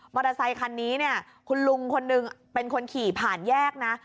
อเตอร์ไซคันนี้เนี่ยคุณลุงคนหนึ่งเป็นคนขี่ผ่านแยกนะ